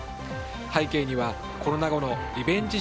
背景にはコロナ後のリベンジ